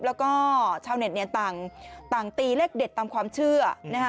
แล้วก็ชาวเน็ตเนี่ยต่างตีเลขเด็ดตามความเชื่อนะฮะ